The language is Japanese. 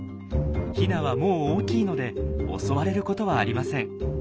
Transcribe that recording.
ヒナはもう大きいので襲われることはありません。